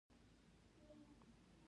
د منظم تماس د ټینګولو امکان له منځه وړي.